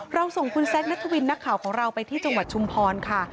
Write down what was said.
ส่งคุณแซคนัทวินนักข่าวของเราไปที่จังหวัดชุมพรค่ะ